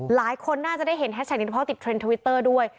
หลายคนน่าจะได้เห็นแฮชแท็กนี้เพราะติดเทรนด์ทวิตเตอร์ด้วย